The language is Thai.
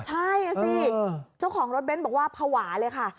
ใช่สิเจ้าของรถเบ้นบอกว่าภาวะเลยค่ะ